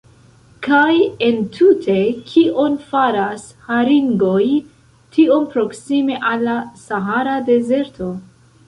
Kaj entute kion faras haringoj tiom proksime al la Sahara dezerto?